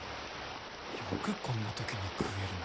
よくこんな時に食えるな。